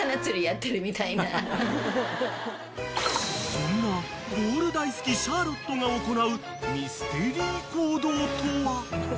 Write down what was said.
［そんなボール大好きシャーロットが行うミステリー行動とは？］